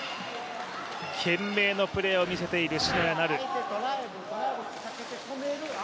懸命のプレーを見せている、篠谷菜留。